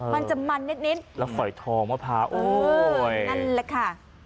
มันจะมันนิดแล้วฝอยทองมะพร้าวโอ้ยนั่นแหละค่ะ